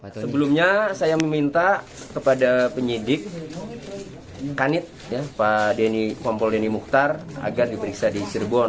sebelumnya saya meminta kepada penyidik kanit pak denny kompol deni mukhtar agar diperiksa di cirebon